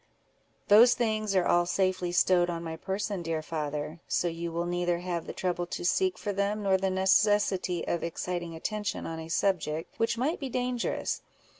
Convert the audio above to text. "Those things are all safely stowed on my person, dear father; so you will neither have the trouble to seek for them, nor the necessity of exciting attention on a subject which might be dangerous.